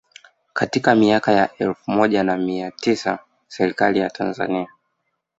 Katika miaka ya elfu moja na mia tisa Serikali ya Tanzania